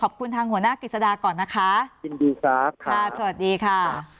ขอบคุณทางหัวหน้ากฤษฎาก่อนนะคะยินดีครับค่ะสวัสดีค่ะ